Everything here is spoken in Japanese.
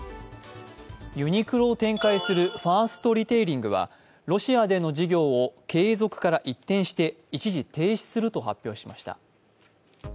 ユニクロを展開するファーストリテイリングはロシアでの事業を継続から一転して一時停止すると発表しました。